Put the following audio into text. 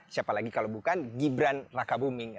siapa lagi kalau bukan gibran raka buming